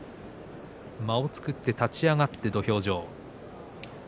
間を作って立ち上がって土俵上。